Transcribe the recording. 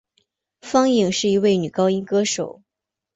方颖是一位女高音歌手。